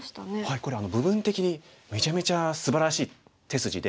これは部分的にめちゃめちゃすばらしい手筋で。